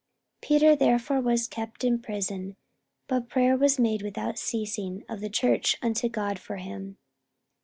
44:012:005 Peter therefore was kept in prison: but prayer was made without ceasing of the church unto God for him.